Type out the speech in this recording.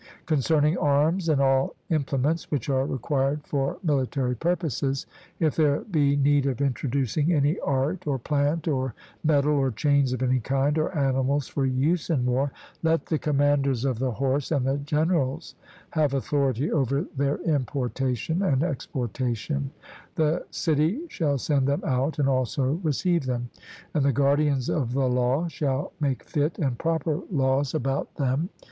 Concerning arms, and all implements which are required for military purposes, if there be need of introducing any art, or plant, or metal, or chains of any kind, or animals for use in war, let the commanders of the horse and the generals have authority over their importation and exportation; the city shall send them out and also receive them, and the guardians of the law shall make fit and proper laws about them.